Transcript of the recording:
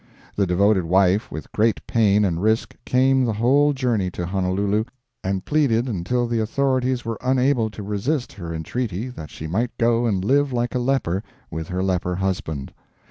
The devoted wife with great pain and risk came the whole journey to Honolulu, and pleaded until the authorities were unable to resist her entreaty that she might go and live like a leper with her leper husband.